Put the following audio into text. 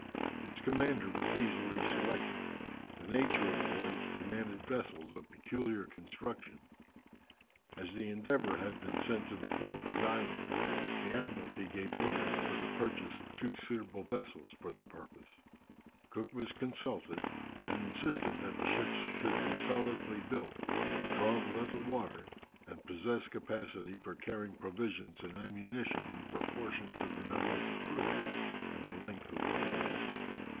Its commander was easily selected. The nature of the voyage demanded vessels of peculiar construction. As the Endeavour had been sent to the Falkland Islands, the Admiralty gave orders for the purchase of the two suitable vessels for the purpose. Cook was consulted, and insisted that the ships should be solidly built, draw little water, and possess capacity for carrying provisions and ammunition in proportion to the number of the crew and the length of the voyage.